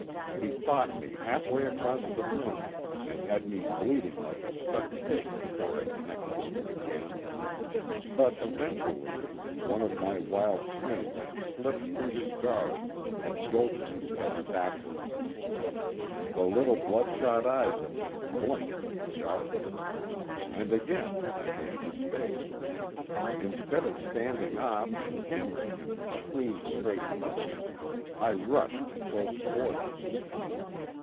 He fought me halfway across the room, and had me bleeding like a stuck pig before I connected with him again. But eventually one of my wild swings slipped through his guard, and jolted his head backward; the little bloodshot eyes of him blinked with the jar of it. And again I made a mistake. Instead of standing off and hammering him with clean straight punches, I rushed to close quarters.